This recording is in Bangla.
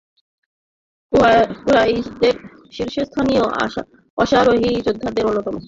কুরাইশদের শীর্ষস্থানীয় অশ্বারোহী যোদ্ধাদের অন্যতম।